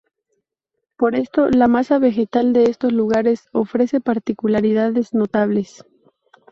Por esto, la masa vegetal de estos lugares ofrece particularidades notables.